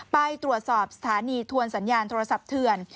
ไปตรวจสอบสถานีทวนสัญญาณโทรศัพท์เถื่อน